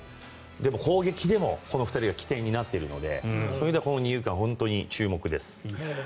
でも攻撃でもこの２人が起点になっているのでそういう意味ではこの二遊間、注目です。